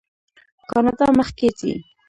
کاناډا مخکې ځي.